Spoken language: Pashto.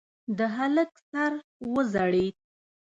د هلک سر وځړېد.